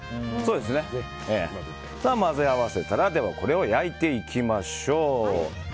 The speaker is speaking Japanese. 混ぜ合わせたらこれを焼いていきましょう。